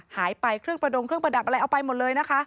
หายไปเครื่องประดงเครื่องประดับอะไรเอาไปหมดเลยนะคะ